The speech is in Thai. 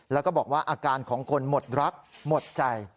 แล้วก็บอกว่าอาการของคนหมดรักหมดใจ